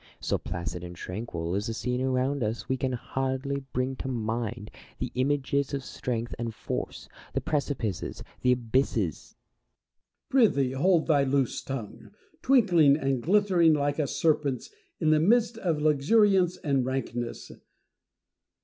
So placid and tranquil is the scene around us, we can hardly bring to mind the images of strength and force, the precipices, the abysses Diogenes. Prythee hold thy loose tongue, twinkling and glittering like a serpent's in the midst of luxuriance and rankness